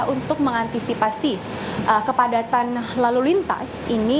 untuk mengantisipasi kepadatan lalu lintas ini